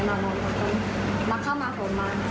พี่พึ่งเสร็จแล้วนะข้าวบ้านมามาแล้ว